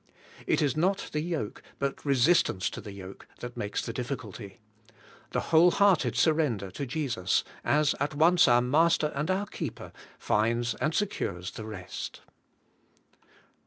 It is not the yoke, but resistance to the yoke, that makes the difficulty; the whole hearted surrender to Jesus, as at once our Master and our Keeper, finds and secures the rest.